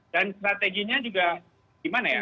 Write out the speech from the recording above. dan strateginya juga gimana ya